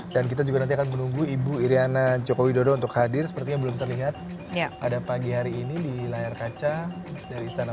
dan kita juga nanti akan menunggu ibu iryana joko widodo untuk hadir sepertinya belum terlihat pada pagi hari ini di layar kaca